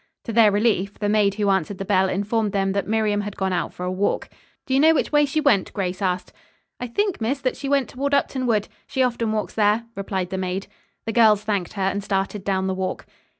To their relief, the maid who answered the bell informed them that Miriam had gone out for a walk. "Do you know which way she went?" Grace asked. "I think, miss, that she went toward Upton Wood. She often walks there," replied the maid. The girls thanked her and started down the walk.